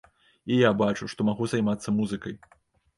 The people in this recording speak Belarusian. І я бачу, што магу займацца музыкай.